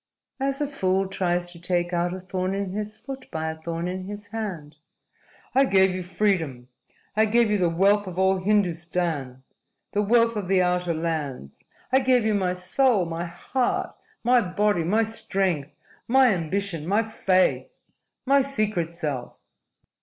"As a fool tries to take out a thorn in his foot by a thorn in his hand." "I gave you freedom. I gave you the wealth of all Hindustan, the wealth of the outer lands. I gave you my soul, my heart, my body, my strength, my ambition, my faith, my secret self."